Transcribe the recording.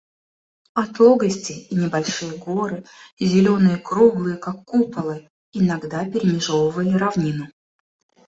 Отлогости и небольшие горы, зеленые и круглые, как куполы, иногда перемежевывали равнину.